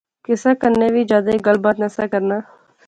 کسے کنے وی جادے گل بات نہسا کرنا